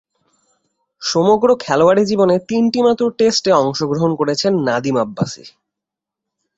সমগ্র খেলোয়াড়ী জীবনে তিনটিমাত্র টেস্টে অংশগ্রহণ করেছেন নাদিম আব্বাসি।